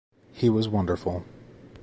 He was wonderful.